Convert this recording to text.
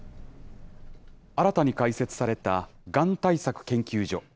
新たに開設されたがん対策研究所。